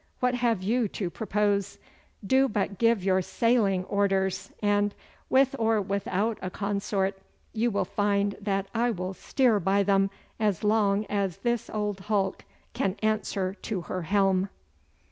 What have you to propose? Do but give your sailing orders, and, with or without a consort, you will find that I will steer by them as long as this old hulk can answer to her helm.